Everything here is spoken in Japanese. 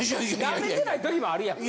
舐めてない時もあるやんか。